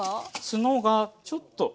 ツノがちょっと。